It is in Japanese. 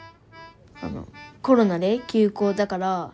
コロナで休校だから。